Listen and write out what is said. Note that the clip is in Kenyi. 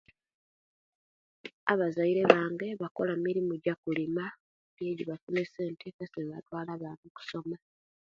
Abazaire bange bakola mirimu jakulima niwo jebafuna esente ejebatwalira abana kwisomere